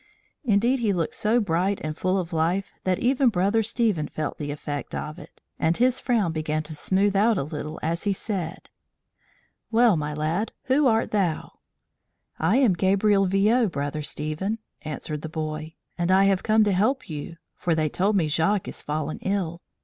Indeed he looked so bright and full of life that even Brother Stephen felt the effect of it, and his frown began to smooth out a little as he said: "Well, my lad, who art thou?" "I am Gabriel Viaud, Brother Stephen," answered the boy, "and I have come to help you; for they told me Jacques is fallen ill.